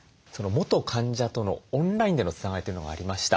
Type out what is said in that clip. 元患者とのオンラインでのつながりというのがありました。